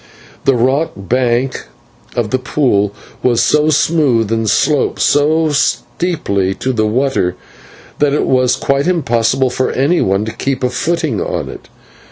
The rock bank of the pool was so smooth, and sloped so steeply to the water, that it was quite impossible for anyone to keep a footing on it.